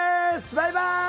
バイバイ！